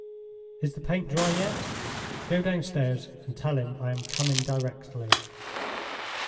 Is the paint dry yet? Go downstairs and tell him I am coming directly."